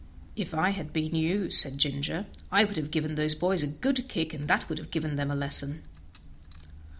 "If I had been you," said Ginger, "I would have given those boys a good kick, and that would have given them a lesson."